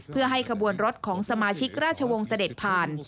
เพื่อให้ขบวนรถของสมาชิกราชวงศ์เสด็จผ่าน